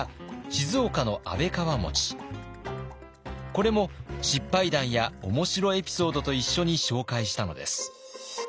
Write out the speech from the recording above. これも失敗談や面白エピソードと一緒に紹介したのです。